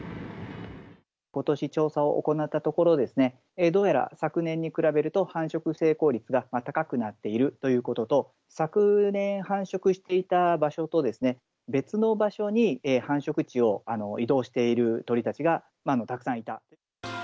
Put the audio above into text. ことし調査を行ったところですね、どうやら昨年に比べると、繁殖成功率が高くなっているということと、昨年繁殖していた場所と別の場所に繁殖地を移動している鳥たちがたくさんいた。